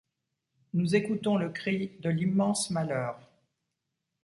Nous écoutons le cri de l’immense malheur.